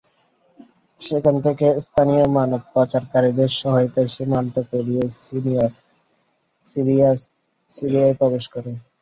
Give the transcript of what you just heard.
সেখান থেকে স্থানীয় মানব পাচারকারীদের সহায়তায় সীমান্ত পেরিয়ে সিরিয়ায় প্রবেশ করে।